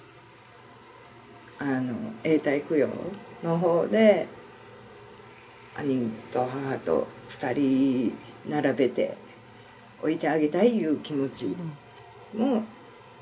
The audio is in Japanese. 永代供養の方で兄と母と２人並べて置いてあげたいいう気持ちも強い。